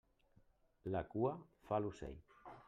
La cua fa l'ocell.